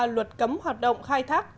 luật cấm hoạt động khai thác